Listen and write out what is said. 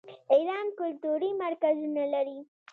ایران کلتوري مرکزونه لري.